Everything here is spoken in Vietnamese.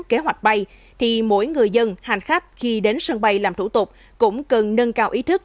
kế hoạch bay thì mỗi người dân hành khách khi đến sân bay làm thủ tục cũng cần nâng cao ý thức